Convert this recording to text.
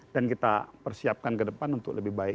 dan kita persiapkan kedepan untuk lebih baik